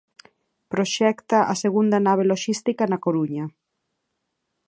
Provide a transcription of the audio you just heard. Proxecta a segunda nave loxística na Coruña.